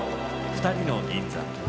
「二人の銀座」。